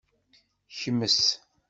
Kmes.